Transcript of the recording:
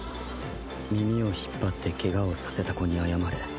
耳を引っ張ってケガをさせた子に謝れ。